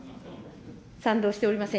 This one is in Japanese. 賛同しておりません。